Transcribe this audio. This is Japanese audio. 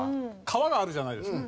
川があるじゃないですか。